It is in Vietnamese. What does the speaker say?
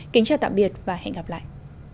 kính chào tạm biệt và hẹn gặp lại